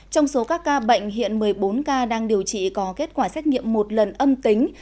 trong số các ca bệnh hiện một mươi bốn ca đang điều trị có kết quả xét nghiệm một lần âm tính